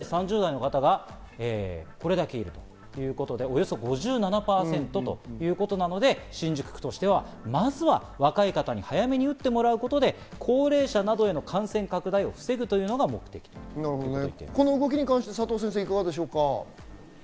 かつ新宿区のＰＣＲ検査のセンターは２０代、３０代の方がこれだけいるということで、およそ５７％ということなので新宿区としてはまずは若い方に早めに打ってもらうことで高齢者などへの感染拡大を防ぐというの佐藤先生、いかがですか？